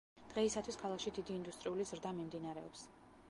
დღეისათვის ქალაქში დიდი ინდუსტრიული ზრდა მიმდინარეობს.